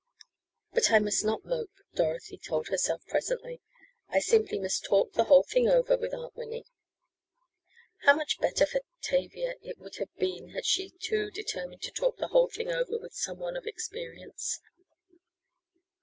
"But I must not mope," Dorothy told herself presently. "I simply must talk the whole thing over with Aunt Winnie." How much better for Tavia it would have been had she too determined to "talk the whole thing over" with someone of experience?